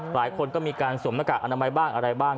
หลายคนก็มีการสวมหน้ากากอนามัยบ้างอะไรบ้าง